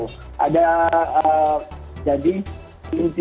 kalau mau lepaskan pikiran mengerti